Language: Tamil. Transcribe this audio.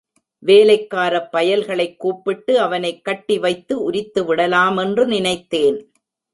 வேலைக்காரப் பயல்களைக் கூப்பிட்டு அவனைக் கட்டிவைத்து உரித்துவிடலாமென்று நினைத்தேன்.